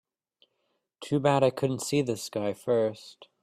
Too bad I couldn't see this guy first.